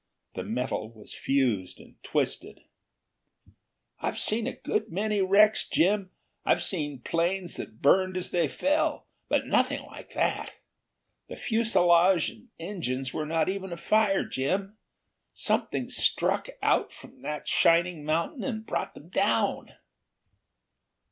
The metal was fused and twisted. "I've seen a good many wrecks, Jim. I've seen planes that burned as they fell. But nothing like that. The fuselage and engines were not even afire. Jim, something struck out from that shining mountain and brought them down!"